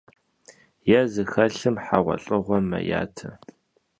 Yê zıxelhır heğuelh'ığuem meyate.